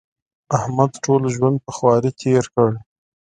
احمد ټول ژوند په خواري تېر کړ.